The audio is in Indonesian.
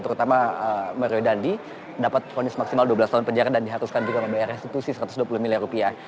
terutama mario dandi dapat vonis maksimal dua belas tahun penjara dan diharuskan juga membayar restitusi satu ratus dua puluh miliar rupiah